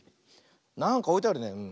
なんかおいてあるねうん。